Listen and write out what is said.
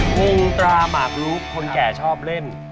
งงตราหมากลุกคนแก่ชอบเล่น